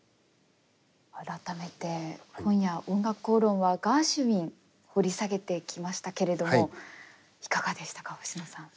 改めて今夜「おんがくこうろん」はガーシュウィン掘り下げてきましたけれどもいかがでしたか星野さん。